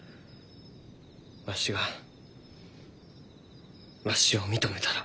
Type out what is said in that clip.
わしがわしを認めたら。